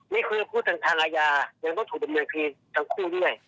นี่คือผู้ทางทางอาญายังต้องถูกเป็นเมืองที่ทั้งคู่ด้วย